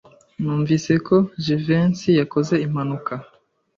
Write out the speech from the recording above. Numvise ko Jivency yakoze impanuka.